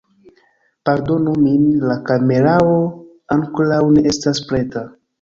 Pardonu min la kamerao ankoraŭ ne estas preta